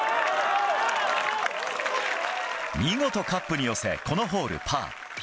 見事カップに寄せこのホール、パー。